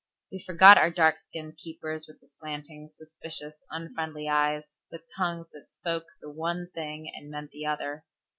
We forgot our dark skinned keepers with the slanting, suspicious, unfriendly eyes, with tongues that spoke the one thing and meant the other.